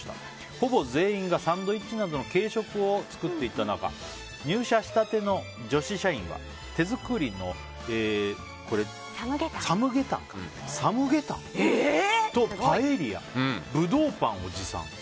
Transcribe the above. ほぼ全員がサンドイッチなどの軽食を作っていった中入社したての女子社員は手作りのサムゲタンとパエリア、ブドウパンを持参。